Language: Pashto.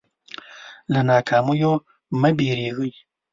له ناکامیو مه وېرېږئ.